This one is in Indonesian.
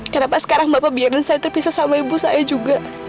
kenapa sekarang bapak biarin saya terpisah sama ibu saya juga